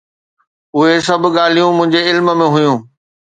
اهي سڀ ڳالهيون منهنجي علم ۾ هيون.